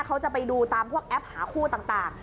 เขาจะไปดูตามพวกแอปหาคู่ต่าง